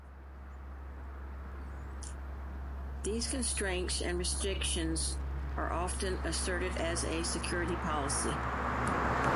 These constraints and restrictions are often asserted as a security policy.